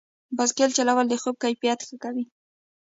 بایسکل چلول د خوب کیفیت ښه کوي.